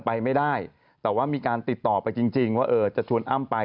ไปไม่ได้แต่ว่ามีการติดต่อไปจริงว่าจะชวนอ้ำไป